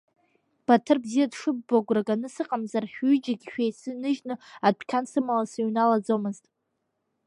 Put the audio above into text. Баҭыр бзиа дшыббо агәра ганы сыҟамзар, шәҩыџьегь шьеицныжьны, адәқьан сымала сыҩналаӡомызт.